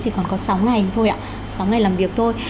chỉ còn có sáu ngày thôi